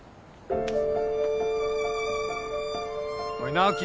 おい直樹！